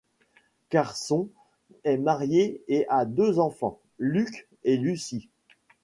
Carson est marié et a deux enfants, Luke et Luci.